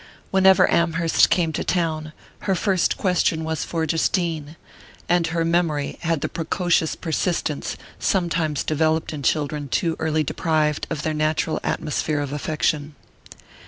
Whenever Amherst came to town, her first question was for Justine; and her memory had the precocious persistence sometimes developed in children too early deprived of their natural atmosphere of affection.